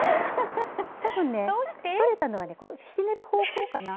取れたのはねひねる方向かな。